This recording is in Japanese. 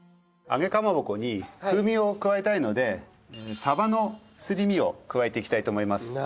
揚げかまぼこに風味を加えたいのでサバのすり身を加えていきたいと思います。